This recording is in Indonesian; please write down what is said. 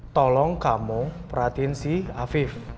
tolong kamu perhatiin si afif